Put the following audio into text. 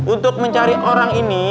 untuk mencari orang ini